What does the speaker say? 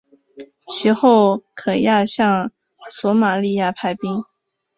其后肯亚向索马利亚派兵。